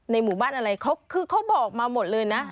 ในหมู่บ้านอะไรเค้าบอกมาหมดเลยนะ